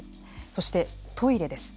そして、トイレです。